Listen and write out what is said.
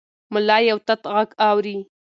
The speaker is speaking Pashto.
ملا یو تت غږ اوري.